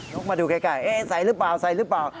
นกมาดูไกลไส่รึเปล่า